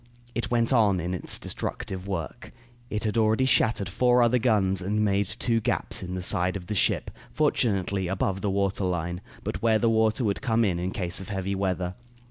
It went on in its destructive work. It had already shattered four other guns and made two gaps in the side of the ship, fortunately above the water line, but where the water would come in, in case of heavy weather.